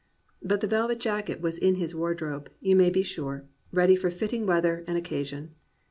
But the velvet jacket was in his wardrobe, you may be sure, ready for fitting weather and oc casion.